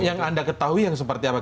yang anda ketahui yang seperti apa